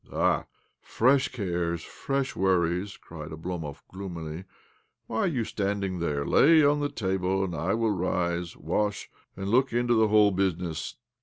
" Ah ! Fresh cares, fresh worries I " cried Oblomov gloomily. " Why are you stand ing there? Lay the table, and I will rise, wash, and look into the whole business.